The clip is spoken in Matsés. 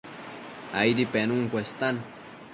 Aidi penun cuestan